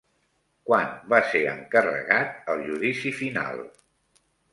Quan va ser encarregat El Judici Final?